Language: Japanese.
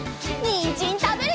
にんじんたべるよ！